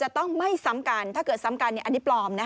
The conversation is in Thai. จะต้องไม่ซ้ำกัน